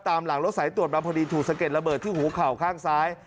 ตามหลังรถสายตรวจมาพอดีถูกสะเด็ดระเบิดที่หูเข่าข้างซ้าย